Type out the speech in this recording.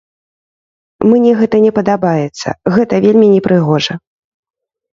Мне гэта не падабаецца, гэта вельмі непрыгожа.